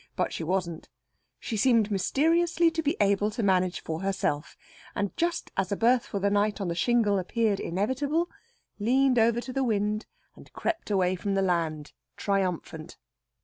But she wasn't. She seemed mysteriously to be able to manage for herself, and just as a berth for the night on the shingle appeared inevitable, leaned over to the wind and crept away from the land, triumphant.